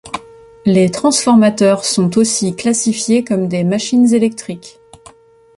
Les transformateurs sont aussi classifiés comme des machines électriques.